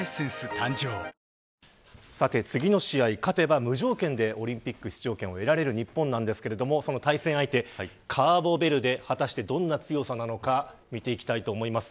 誕生次の試合、勝てば無条件でオリンピック出場権を得られる日本ですがその対戦相手、カーボベルデ果たして、どんな強さなのか見ていきます。